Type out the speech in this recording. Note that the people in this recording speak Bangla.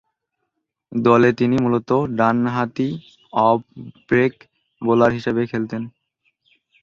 দলে তিনি মূলতঃ ডানহাতি অফ ব্রেক বোলার হিসেবে খেলতেন।